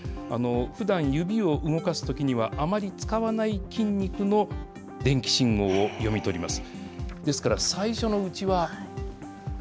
ふだん、指を動かすときには、あまり使わない筋肉の電気信号を読み取ります。